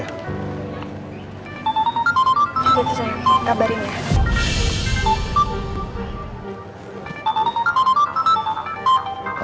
ya itu sayang kabarin ya